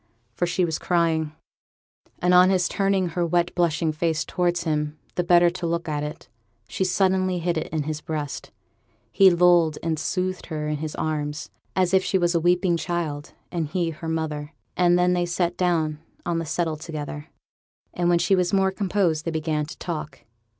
for she was crying; and on his turning her wet blushing face towards him the better to look at it, she suddenly hid it in his breast. He lulled and soothed her in his arms, as if she had been a weeping child and he her mother; and then they sat down on the settle together, and when she was more composed they began to talk.